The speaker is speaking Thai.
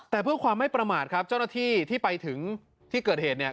แต่เพื่อความไม่ประมาทครับเจ้าหน้าที่ที่ไปถึงที่เกิดเหตุเนี่ย